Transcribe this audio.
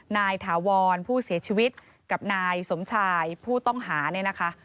ถาวรผู้เสียชีวิตกับนายสมชายผู้ต้องหาเนี่ยนะคะ